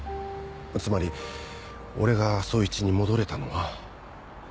つまり俺が捜一に戻れたのは。